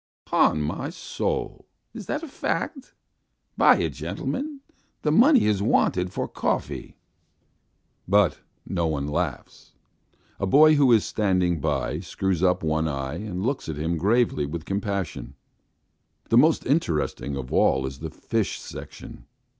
'Pon my soul, it is a fact! Buy it, gentlemen! The money is wanted for coffee." But no one laughs. A boy who is standing by screws up one eye and looks at him gravely with compassion. The most interesting of all is the fish section.